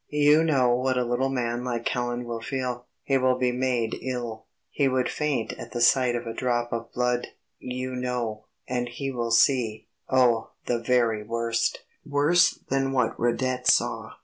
You know what a little man like Callan will feel ... he will be made ill. He would faint at the sight of a drop of blood, you know, and he will see oh, the very worst, worse than what Radet saw.